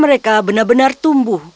mereka benar benar tumbuh